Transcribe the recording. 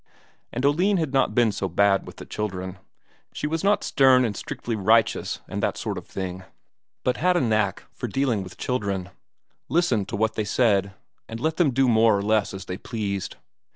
And Oline had not been so bad with the children; she was not stern and strictly righteous and that sort of thing, but had a knack of dealing with children: listened to what they said, and let them do more or less as they pleased.